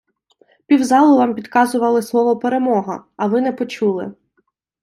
Пів залу Вам підказували слово "перемога", а Ви не почули.